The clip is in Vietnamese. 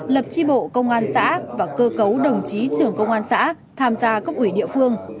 lập tri bộ công an xã và cơ cấu đồng chí trưởng công an xã tham gia cấp ủy địa phương